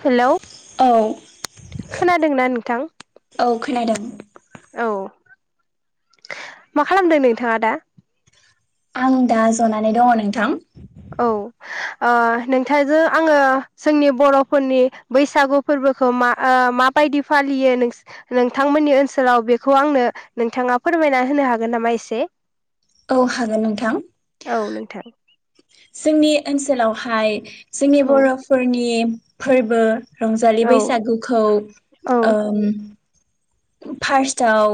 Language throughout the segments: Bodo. हेलौ औ खोनादोंना नोंथां औ खोनादों औ। मा खालामदो नोंथाङा दा? आं दा जनानै दङ नोंथां औ ओ नोंथांजों आङो जोंनि बर'फोरनि बैसागु फोरबोखौ मा माबायदि फालियो नों नोंथांमोननि ओनसोलाव बेखौ आंनो नोंथाङा फोरमायना होनो हागोन नामा एसे औ हागोन नोंथां। औ नोंथां जोंनि ओनसोलावहाय जोंनि औ बरफोरनि फोरबो रंजालि औ बैसागुखौ औ ओम फार्स्ट दाउ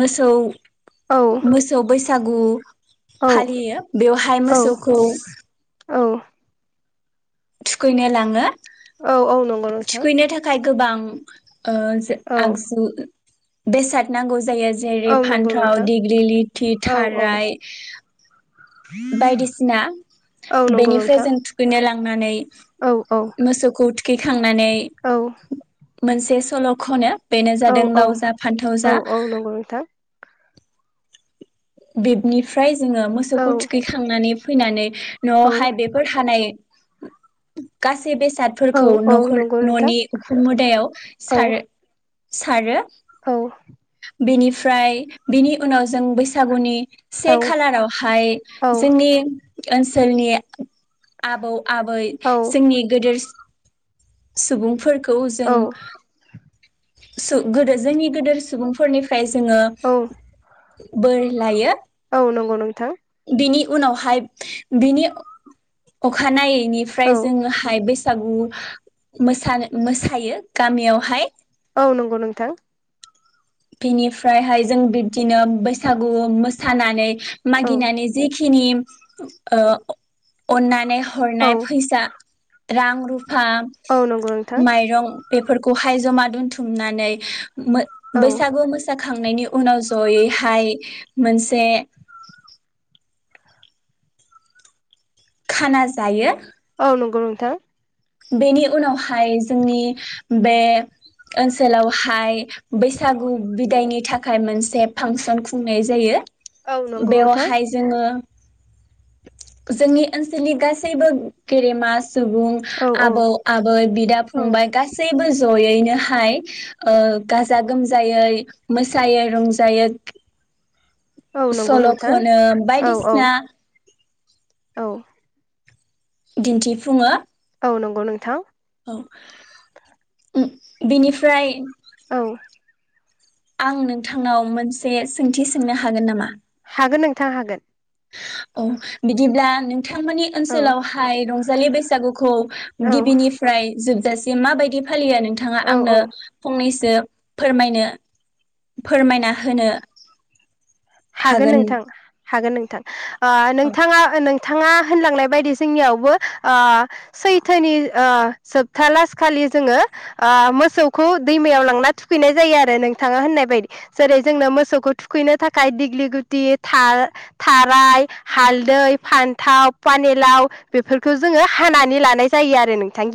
मोसौ औ मोसौ बैस औ [unintelligible] फालियो बेवहाय औ मोसौखौ औ थुखैनोलाङो औ औ नंगौ नोंथां गोबां ओ जो औ आगजु बेसाद नांगौ जायो जेरै औ नंगौ फान्थाव नोंथां दिडिग्रि लिरथि औ औ थाराइ बायदिसिना औ नंगौ बेनिफ्राय नोंथां जों थुखैनो लां नानै औ औ मोसौखौ थुख [unintelligible] [unintelligible] औ मोनसे सल' खनो बेनो औ जादों लाव जा फान्थाव औ जा औ नंगौ नोंथां बेबनिफ्राइ जोंङो औ मोसौखौ थुखैखांनानै फैनानै औ न'आवहाय बेफोर हानाय गास औ बेसादफोरखौ औ नखर नंगौ नोंथां न'नि उखुममुदायाव औ सारो सारो औ बिनिफ्राय बिनि उनाव जों बैसागुनि से औ खालारावहाय औ जोंनि ओनसोलनि आबौ आबै औ जोंनि गेदेरस सुबुंफोरख खौ जों औ सो गोदो जोंनि गोदोरसि सुबुंफोरनि ओमफ्राय जोङो औ बोर लायो औ नंगौ नोंथां। बिनि उनावहाय बिनि अखानायै औ बेनिफ्राय जोङो हाय बेसे बैसागु मोसानो मोसायो गामियावहाय औ नंगौ नोंथां। बिनिफ्रायहाय जों बिब्दिनो बैसागु मोसानानै औ मागिनानानै जेखि हिनिम ओह अननानै औ हरनाय फैसा रां रुफ हा औ नंगौ नोंथां माइरं बेफोरखौहाय जमा दोनथुमनानै मो औ बैसागु मोसा थांनायनि उनाव जयैहाय मोनसे खाना जायो थो बेनि उनावहा फाय जोंनि बे ओनसोलावहाय बैसागु बिदायनि थाखाय मोनसे फांसन खुंनाय जायो औ नंगौ नोंथां बेवहाय जोङो जोंनि ओनसोलनि गासैबो गेदेमा सुबुं औ औ आबौ आबै बिदा औ फंबाय गासैबो ज जयैनोहाय ओ गाजा गोमजायै मोसायो रंजायो औ नंगौ सल नोंथां खनो औ औ बायदिसिना औ दिन्थिफुङो। औ नंगौ नोंथां औ उ बिनिफ्राय औ आं नोंथांनाव मोनसे सोंथि सोंनो हागोन नामा? गोन नोंथां हागोन। अ बिदिब्ला नों बिथांमोननि औ ओनसोलावहाय रंज जालि बैसागुखौ औ गिबिनिफ्राय जोब जासे माबायदि फालियो नोंथाङा औ आंनो औ फंनैसो से फोरमायनो फोरमायना होनो हागोन नोंथां हागोन नों थां [inaudible] ओ औ नोंथाङा ओ नों बिथाङा होनलांनाय बायदि जोंनियावबो ओ सैथोनि ओ‌ जोब्था लासखालि जोङो ओ मोसौखौ दैमायाव लांना थुखैनाय जायो आरो नोंथाङा होननाय बायदि जेरै जोंनो मोसौखौ थुखैनो था खाय दिग्लि गुथि थार-थाराय हालदै फान्थाव पानिलाव बेफोरखौ जोङो हानानै लानाय जायो आरो नों बिथां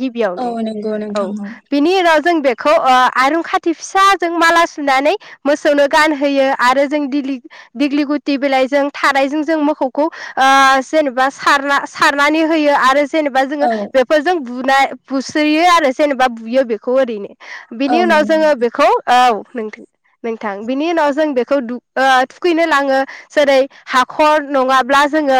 औ गिबियावनो नंगौ औ नोंथां बिनि राज जों बेखौ ओ आरुं खाथि फिसाजों माला सुनानै मोसौनो गानहोयो आरो जों दिग्लि दिग्लि गुथि बिलाइजों थारायजों जों मोखौखौ ओ जेनेबा सारना सारनानै होयो आरो जेनेबा जोङो औ बेफोरजों बुनाय बुस्रोयो आरो जेनेबा बुयो बेखौ ओरैनो। औ बिनि उनाव नंगौ जोङो नोंथां बेखौ औ नोंथां नोंथां बिनि उनाव जों बेखौ दुब ओ थुखैनो लाङो जेरै हाखर नङाब्ला जोङो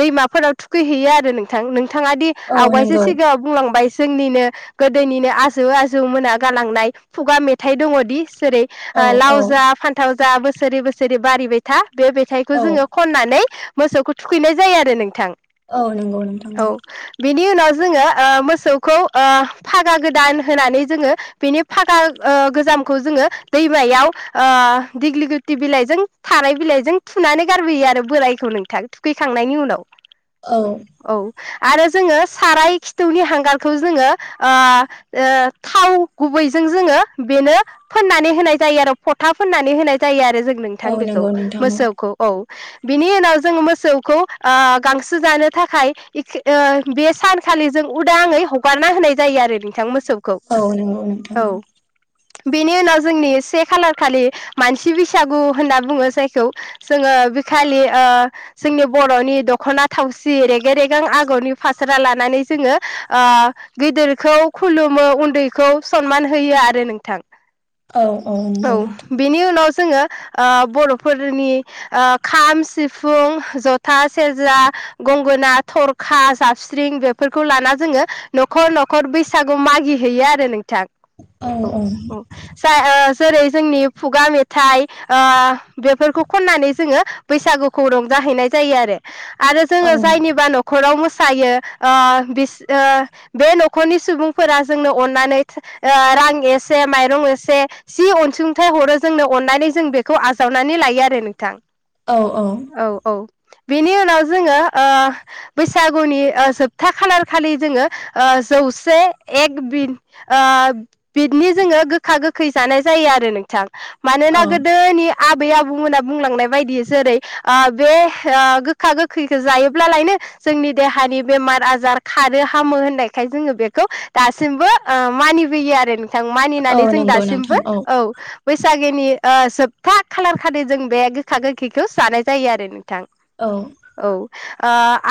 दैमाफोराव थुखैहैयो आरो नोंथां नो थाङा दि औ आवगायसो नंगौ सिगाङाव बुंलांबायस जोंनिनो गोदोनिनो आजौ आजौ मोना गालांनाय खुगा मेथाइ दङदि जेरै औ लाव औ जा फान्थाव जा बोसोरै बोसो जेरै बारिबाय था बे मेथाइखौ औ जोङो खननानै मोसौखौ थुखैनाय जायो आरो नोंथां। औ नंगौ नोंथां। बिनि उनाव जोङो ओ मोसौखौ ओ फागा गोदान होनानै जोङो बेनि फागा ओ गोजामखौ जोङो दैमायाव ओ दिग्लि गुथि बिलाइ जों थाराय बिलाइ जों थुनानै गारबोयो आरो बोरायखौ नोंथां थुखैखांनायनि उनाव। औ। औ आरो जोङो साराय खिथौनि हांगारखौ जोङो आ ओ थाव गुबैजों जोङो बेनो फोननानै होनाय जायो आरो फथा फोननानै होनाय जायो आरो जों नों औ थां बेखौ नंगौ नोंथां मोसौखौ औ बिनि उनाव जों मोसौखौ ओ गांसो जानो थाखाय [unintelligible] ओ बे सानखालि जों उदाङै हगारना होनाय जायो आरो नोंथां मोस औ नंगौ नोंथां बेनि उनाव जोंनि से खालार खालि मानसि बैसागु होनना बुङो जायखौ जोङो बिखालि ओ जोंनि बरनि दखना थावसि रेगे रेगां आगरनि फास्रा लानानै जोङो ओ गिदिरखौ खुलुमो उन्दैखौ सनमान होयो आरो नोंथां औ औ। जोङो आ बर'फोरनि आ खाम सिफुं जथा सेरजा गंगोना थरखा जाबस्रिं बेफोरखौ लाना जोङो न'खर न'खर बैसागु मागिहैयो आरो नों थाख औ औ [unintelligible] जेरै जोंनि खुगा मेथाइ। आ बेफोरखौ खन्नानै जोङो बैसागुखौ रंजाहैनाय जायो आरो। आरो औ जोङो जायनिबा न'खराव मोसा सायो ओ बिस ओ बे नखरनि सुबुंफोरा जोंनो अननानै थ ओ रां एसे माइरं एसे जि अनसुंथाइ हरो जोंनो अननानै जों बेखौ आजावनानै लायो आरो नोंथां। औ औ। बेनि उनाव जोङो ओ बैसागुनि ओ जोबथा खालार खालि जोङो ओ जौसे एक बि ओ बिदनि जोङो गोखा गोखै जानाय जायो आरो नोंथां। औ नि आबै आबौमोना बुंलांनाय बायदि जेरै ओह बे ओ गोखा गोखैखौ जायोब्लालायनो जोंनि देहानि बेमार आजार खानो हामो होननायखाय जोङो बेखौ दासिमबो ओ मानिबोयो आरो नो थां औ मानिनानै जों नंगौ दासिमबो नोंथां औ। बैसागिनि ओ जोबथा खालार खालि जों बे गोखा गोखैखौ जानाय जायो आरो नों थां औ ओ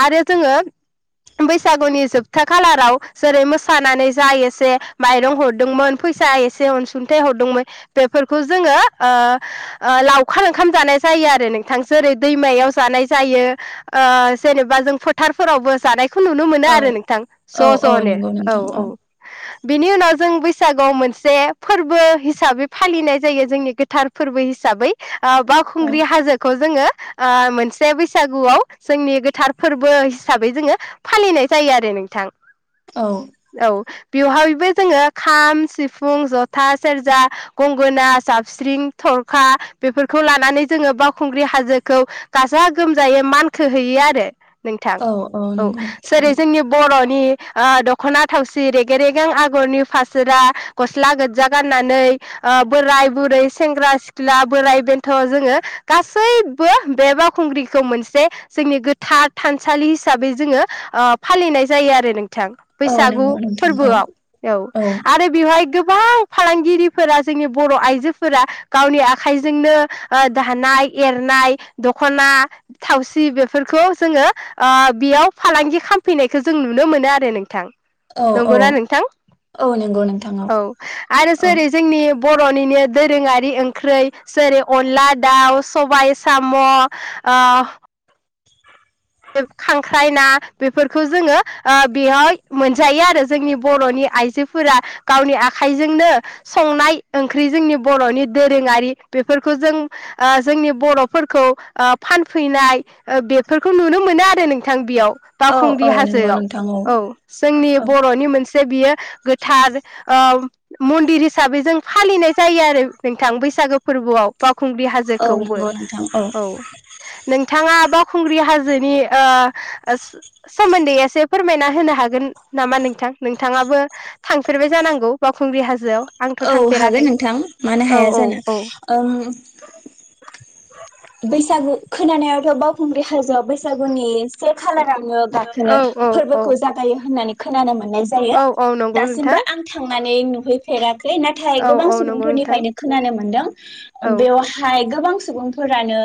आरो जोङो बैसागुनि जोबथा खालाराव जेरै मोसानानै जा एसे माइरं हरदोंमोन फैसा एसे अनसुंथाइ हरदोंमोन बेफोरखौ जोङो ओ ओ लावखार ओंखाम जानाय जायो आरो नोंथां जेरै दैमायाव जानाय जायो ओ जेनेबा जों फोथारफोरावबो जानाय खौ नुनो मोनो औ आरो नोंथां औ ज औ जनो नंगौ औ नोंथां औ। बेनि उनाव जों बैसागुआव मोनसे फोरबो हिसाबै फालिनाय जायो जोंनि थार फोरबो हिसाबै आ बा औ खुंग्रि हाजोखौ जोङो ओ मोनसे बैसागुआव जोंनि गोथार फोरबो हिसाबै जोङो फालिनाय जायो आरो नोंथां। औ औ। बेवहायबो जोङो खाम सिफुं जथा सेरजा गंगोना जाब स्रिं थरखा बेफोरखौ लानानै जोङो बावखुंग्रि हाजोखौ गाजा गोमजायै मानखोहैयो आरो। नोंथां औ औ नंगौ नोंथां जेरै जोंनि बर' नि आ दखना थावसि रेगें रेगें आगरनि फासोरा गस्ला गोजा गाननानै आ बोराय बुरै सेंग्रा सिख्ला बोराय बेन्थ जोङो गासैबो बे बावखुंग्रिखौ मोनसे जोंनि गोथार थानसालि हिसाबै जोङो ओ फालिनाय जायो आरो नों बिथां औ बैसागु नंगौ नोंथां औ फोरबोआव औ आरो बेवहाय गो बां फालांगिरिफोरा जोंनि बर' आइजो फोरा गावनि आखाइजोंनो ओ दानाय एरनाय दखना थावसि बेफोरखौ जोङो ओ बेयाव फालांगि खामफैनायखौ जों नुनो मोनो आरो नोंथां। औ औ नंगौना नोंथां औ नंगौ नोंथां औ आरो औ जेरै जोंनि बर'निनो [unintelligible] दोरोङारि ओंख्रै जेरै अनला दाउ सबाय साम' ओ खांख्राय ना बेफोरखौ जोङो ओ बे [unintelligible] मोनजायो आरो जोंनि बरनि आइजोफोरा गावनि आखाइजोंनो संनाय ओंख्रि जोंनि बरनि दोरोङारि बेफोरखौ जों ओ जोंनि बरफोरखौ ओ फानफैनाय ओ बेफोर नुनो मोनो आरो नोंथां बेयाव। औ बावखुंग्रि औ नंगौ हाजोआव नोंथां औ जोंनि औ बर'नि मोनसे जे बियो गोथार ओ मन्दिर हिसाबै जों फालिनाय जायो आरो नोंथां बैसागो फोरबोआव बा खुंग्रि औ हाजोखौबो नंगौ नोंथां औ नोंथाङा बाव खुंग्रि हाज जोनि ओ सोमोन्दै एसे फोरमायना होनो हागोन नामा नोंथां नोंथाङाबो थांफेरबाय जानांगौ बावखुंग्रि हाजोआव? आंथ' औ हागोन थांफेराखै नोंथां मानो औ हाया औ जानो औ ओम बैसागु खोनानायावथ बावखुंग्रि हाजोआव बैसागुनि सेख खालारावनो गाखोनो औ औ औ फोरबोखौ जागायो होननानै खोनानो मोन मोन्नाय जायो औ औ नंगौ नोंथां दासिबो आं थांनानै नु है फेराख खै नाथाय औ गोबां औ नंगौ नोंथां सुबुंफोरनिफायनो खोनानो मोनदों औ बेवहाय गोबां सुबुंफोरानो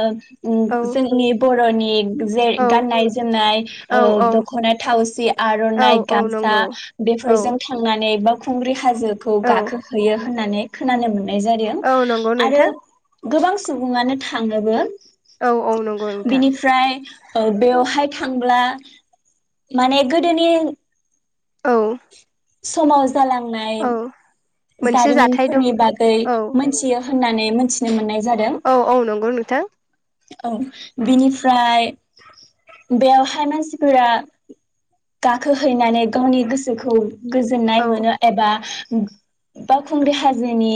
उम औ जोंनि बर' रनिग जे औ गाननाय जोमनाय ओ औ औ दखना थावसि औ आरनाइ औ गामसा नंगौ औ बेफोरजों थांनानै बावखुं खुंग्रि हाजोखौ औ गाखो होयो होननानै खोनानो मोन नाय जादों औ नंगौ आरो नोंथां गोबां सुबुङानो थांङोबो औ औ नंगौ नोंथां औ बेवहाय थांब्ला माने गोदोनि औ। समाज हालांनाय औ मोनसे जाथाय दं जारिमिनफोरनि बागै औ मोनथियो होननानै मोनथिनो मोननाय जादों औ औ नंगौ नोंथां औ बिनिफ्राय बेयावहाय मानसिफोरा गाखोहैनानै गावनि गोसोखौ गोजोननाय औ मोनो एबा हुम बावखुंग्रि हाजोनि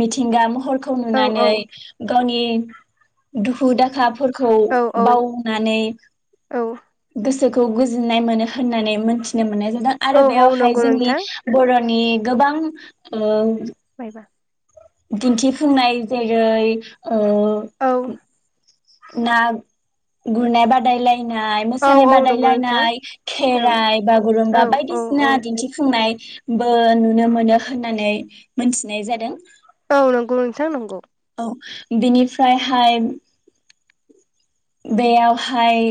मिथिंगा महर खौ औ औ नुनानै गावनि ए दुखु दाखा फोर खौ औ औ बावनानै औ गोसोखौ गोजोननाय मोनो होननानै मोन्थिनो मोननाय जा औ आरो औ बेयावहाय नंगौ जोंनि नोंथां बर' नि गोबां ओ बायबा। दिन्थिफुंनाय जेरै ओ औ ना गुरनाय बादायलाय नाय, औ मोसानाय औ नंगौ नोंथां बादायलायनाय, औ खेराइ, औ बागुरुमबा, औ औ बायदिसिना दिन्थिफुंनाय बो नुनो मोनो होननानै मोनथिनाय जादों। औ नांगौ नोंथां नंगौ। औ बिनिफ्रायहाय बेयावहाय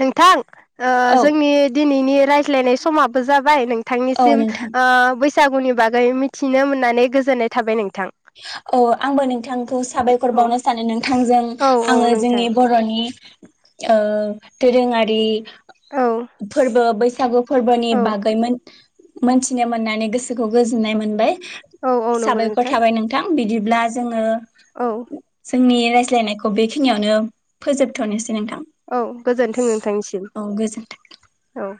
नोंथां? ओ औ जोंनि दिनैनि रायज्लायनाय समाबो जाबाय औ नोंथांनिसिम नोंथां बैसागुनि बागै मिथिनो मोननानै गोजोननाय थाबाय नों औ आंबो नोंथांखौ साबायखर औ बावनो सानो नोंथांजों औ औ आङो नोंथां जोंनि बरनि ओ दोरोङारि औ फोरबो बै सागु फोरबोनि औ बागै मोन मोनथिनो मोननानै गोसोखौ गोजोननाय मोनबाय। औ औ नंगौ साबायखर नोंथां, बिदिब्ला जोङो औ जोंनि रायज्लायनायखौ बेखिनियावनो फोजोबथनोसै। नोंथां औ गोजोनथों नोंथांनिसिम औ गोजोन्थों। औ‌।